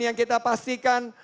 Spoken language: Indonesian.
yang kita pastikan